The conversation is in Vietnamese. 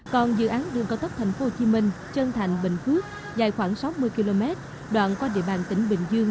còn dự án đường cảo tóc tp hcm chơn thành bình phước dài khoảng sáu mươi km đoạn qua địa bàn tỉnh bình dương